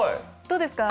どうですか？